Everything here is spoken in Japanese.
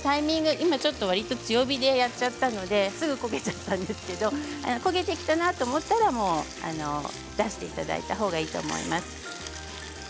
今ちょっとわりと強火でやっちゃったのですぐ焦げちゃったんですけれども焦げてきたなと思ったら出していただいたほうがいいと思います。